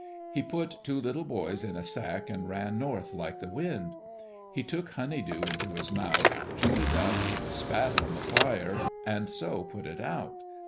He put two little boys in a sack and ran north like the wind. He took honey dew into his mouth, chewed it up, spat on the fire, and so put it out.